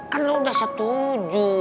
kan lo udah setuju